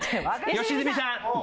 良純さん。